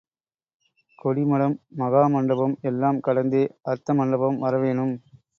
கொடி மடம் மகாமண்டபம் எல்லாம் கடந்தே அர்த்த மண்டபம் வர வேணும்.